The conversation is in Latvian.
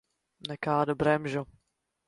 Nekādu bremžu.